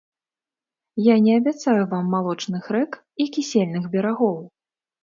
Я не абяцаю вам малочных рэк і кісельных берагоў.